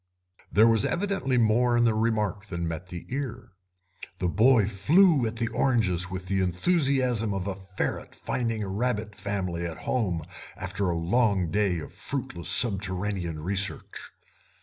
There was evidently more in the remark than met the ear. The boy flew at the oranges with the enthusiasm of a ferret finding a rabbit family at home after a long day of fruitless subterranean research.